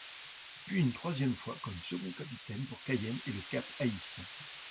Puis une troisième fois comme second capitaine pour Cayenne et le Cap-Haïtien.